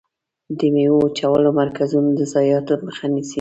د ميوو وچولو مرکزونه د ضایعاتو مخه نیسي.